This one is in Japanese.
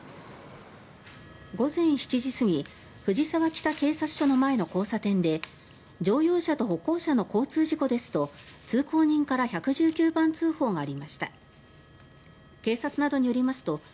午前７時過ぎ藤沢北警察署前の交差点で乗用車と歩行者の交通事故ですと通行人から１１９番通報がありました。